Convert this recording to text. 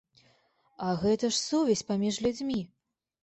А гэта ж сувязь паміж людзьмі.